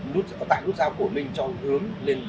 nút sẽ có tại nút sao cổ linh cho hướng lên và xuống cầu vĩnh tuy